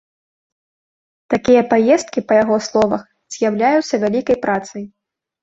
Такія паездкі, па яго словах, з'яўляюцца вялікай працай.